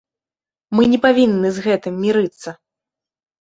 Мы не павінны з гэтым мірыцца!